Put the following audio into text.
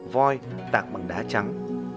voi tạc bằng đá trắng